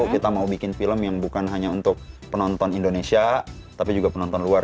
kita mau bikin film yang bukan hanya untuk penonton indonesia tapi juga penonton luar